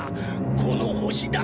この星だ！